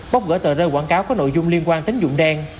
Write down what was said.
bóc gỡ tờ rơi quảng cáo có nội dung liên quan tính dụng đen